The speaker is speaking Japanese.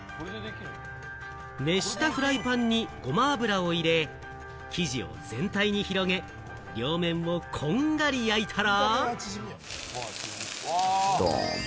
熱したフライパンにごま油を入れ、生地を全体に広げ、両面をこんがり焼いたら。